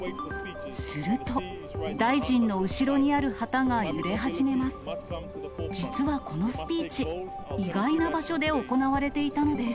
すると、大臣の後ろにある旗が揺れ始めます。